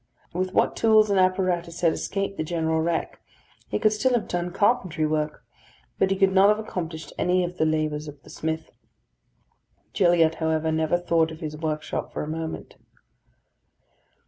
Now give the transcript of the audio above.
With what tools and apparatus had escaped the general wreck, he could still have done carpentry work; but he could not have accomplished any of the labours of the smith. Gilliatt, however, never thought of his workshop for a moment.